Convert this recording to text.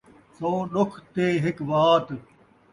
سو ݙکھ تے ہک وات